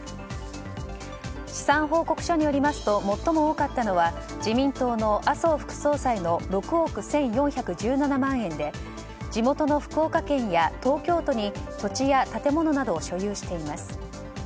資産報告書によりますと最も多かったのは自民党の麻生副総裁の６億１４１７万円で地元の福岡県や東京都に土地や建物などを所有しています。